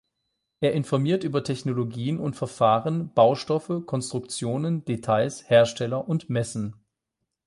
Er informiert über Technologien und Verfahren, Baustoffe, Konstruktionen, Details, Hersteller und Messen.